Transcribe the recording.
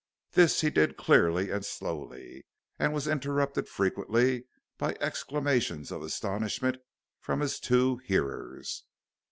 This he did clearly and slowly, and was interrupted frequently by exclamations of astonishment from his two hearers.